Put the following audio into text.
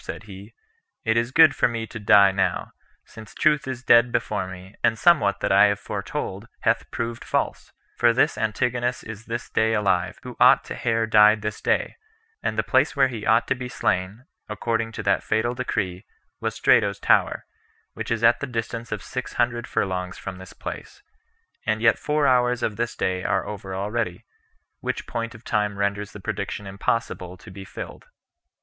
said he, "it is good for me to die now, since truth is dead before me, and somewhat that I have foretold hath proved false; for this Antigonus is this day alive, who ought to have died this day; and the place where he ought to be slain, according to that fatal decree, was Strato's Tower, which is at the distance of six hundred furlongs from this place; and yet four hours of this day are over already; which point of time renders the prediction impossible to be fill filled."